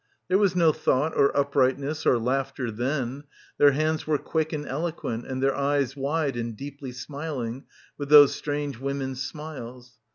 There was no thought or uprightness or laughter then* their hands were quick and eloquent and their eyes wide and deeply smiling with those strange women's smiles.